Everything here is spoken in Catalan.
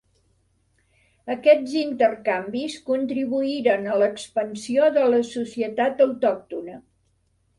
Aquests intercanvis contribuïren a l'expansió de la societat autòctona.